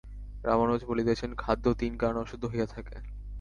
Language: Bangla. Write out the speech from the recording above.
রামানুজ বলিতেছেন, খাদ্য তিন কারণে অশুদ্ধ হইয়া থাকে।